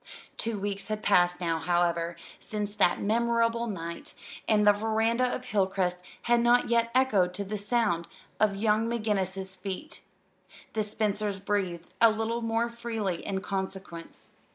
Two weeks had passed now, however, since that memorable night, and the veranda of Hilcrest had not yet echoed to the sound of young McGinnis's feet. The Spencers breathed a little more freely in consequence.